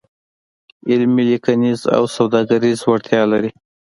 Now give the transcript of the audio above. علمي، لیکنیز او سوداګریز وړتیا لري.